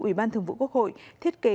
ủy ban thường vụ quốc hội thiết kế